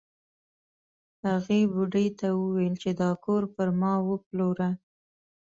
هغې بوډۍ ته یې وویل چې دا کور پر ما وپلوره.